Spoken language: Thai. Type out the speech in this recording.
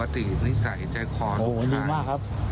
ดีมากครับ